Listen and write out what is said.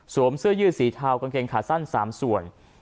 เสื้อยืดสีเทากางเกงขาสั้น๓ส่วน